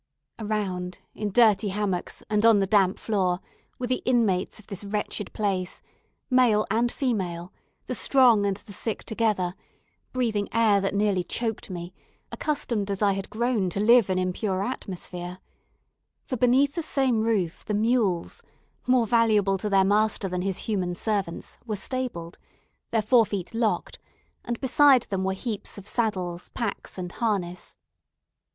Around, in dirty hammocks, and on the damp floor, were the inmates of this wretched place, male and female, the strong and the sick together, breathing air that nearly choked me, accustomed as I had grown to live in impure atmosphere; for beneath the same roof the mules, more valuable to their master than his human servants, were stabled, their fore feet locked, and beside them were heaps of saddles, packs, and harness.